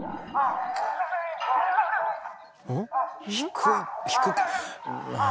低い低く。